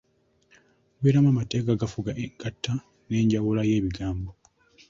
Mubeeramu amateeka agafuga engatta n’enjawula y’ebigambo.